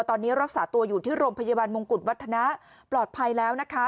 ตอนนี้รักษาตัวอยู่ที่โรงพยาบาลมงกุฎวัฒนะปลอดภัยแล้วนะคะ